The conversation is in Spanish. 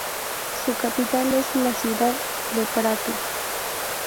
Su capital es la ciudad de Prato.